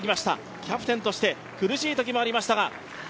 キャプテンとして苦しいときもありましたが。